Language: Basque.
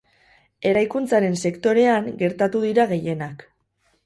Eraikuntzaren sektorean gertatu dira gehienak.